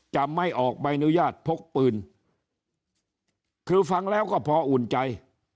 จะไม่ออกใบอนุญาตพกปืนคือฟังแล้วก็พออุ่นใจ